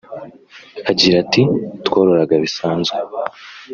Agira ati “Twororaga bisanzwe